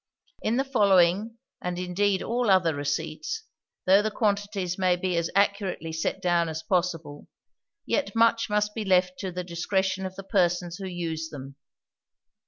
In the following, and indeed all other receipts, though the quantities may be as accurately set down as possible, yet much must be left to the discretion of the persons who use them.